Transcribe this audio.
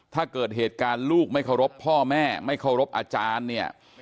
ถ้าเกิดเหตุการณ์ลูกไม่เคารพพ่อแม่ไม่เคารพอาจารย์เนี่ย